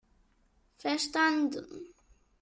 Verstanden!